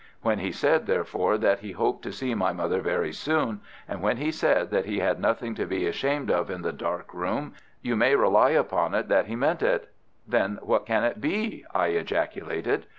When he said, therefore, that he hoped to see my mother very soon, and when he said that he had nothing to be ashamed of in that dark room, you may rely upon it that he meant it." "Then what can it be?" I ejaculated.